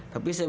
tapi saya tidak